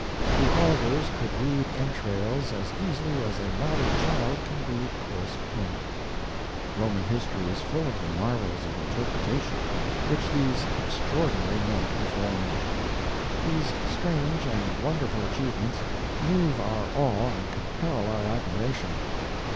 The augurs could read entrails as easily as a modern child can read coarse print. Roman history is full of the marvels of interpretation which these extraordinary men performed. These strange and wonderful achievements move our awe and compel our admiration.